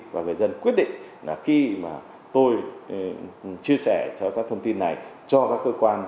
và người dân quyết định là khi mà tôi chia sẻ cho các thông tin này cho các cơ quan